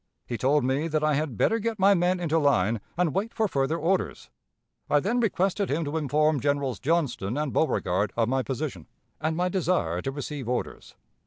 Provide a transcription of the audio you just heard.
He told me that I had better get my men into line, and wait for further orders. I then requested him to inform Generals Johnston and Beauregard of my position, and my desire to receive orders.